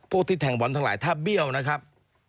ที่แทงบอลทั้งหลายถ้าเบี้ยวนะครับ